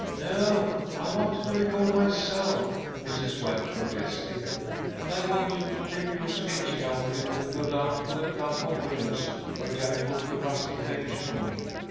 "No, I want to do it all myself," Mrs. Ware protested. "And I want you to take your sketching outfit, and go down to the clump of willows where Jack put the rustic bench for me.